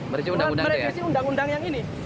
merevisi undang undang yang ini